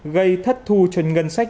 gây thất thu cho ngân sách